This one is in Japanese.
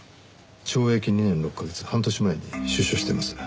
懲役２年６カ月半年前に出所しています。